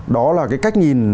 đó là cái cách nhìn